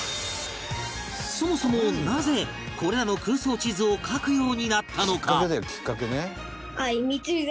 そもそもなぜこれらの空想地図を描くようになったのか？